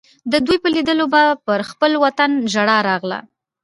د دوی په لیدو به پر خپل وطن ژړا راغله.